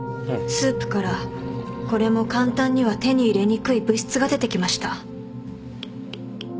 スープからこれも簡単には手に入れにくい物質が出てきました。